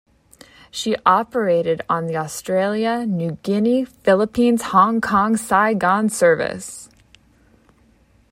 She operated on the Australia, New Guinea, Philippines, Hong Kong, Saigon service.